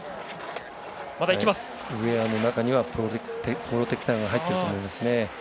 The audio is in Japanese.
ウエアの中にはプロテクターが入っていると思います。